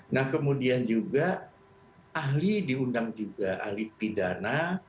nah kemudian juga ahli diundang juga ahli pidana